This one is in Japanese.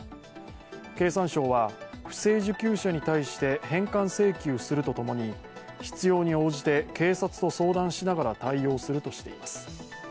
経産省は、不正受給者に対して返還請求するとともに必要に応じて警察と相談しながら対応するとしています。